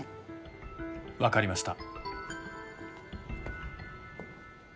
分かりました。